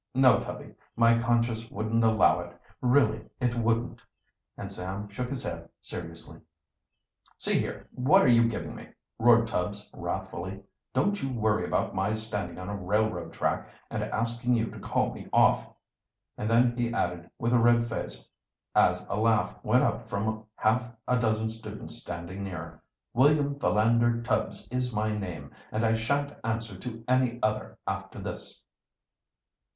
No, Tubby, my conscience wouldn't allow it really it wouldn't." And Sam shook his head seriously. "See here, what are you giving me?" roared Tubbs wrathfully. "Don't you worry about my standing on a railroad track and asking you to call me off." And then he added, with a red face, as a laugh went up from half a dozen students standing near: "William Philander Tubbs is my name, and I shan't answer to any other after this."